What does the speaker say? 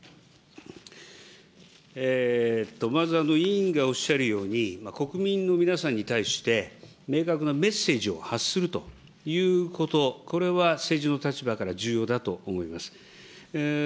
まず、委員がおっしゃるように、国民の皆さんに対して、明確なメッセージを発するということ、これは政治の立場から重要だと思います。